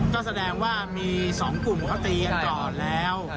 ก็แสดงว่ามี๒กลุ่มเขาตีกันก่อนแล้ว